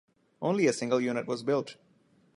Only a single unit was built.